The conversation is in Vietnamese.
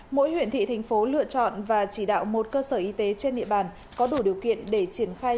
mỗi huyện thị thành phố lựa chọn và chỉ đạo một cơ sở y tế trên địa bàn có đủ điều kiện để triển khai